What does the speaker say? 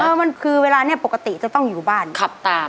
เออมันคือเวลานี้ปกติจะต้องอยู่บ้านขับตาม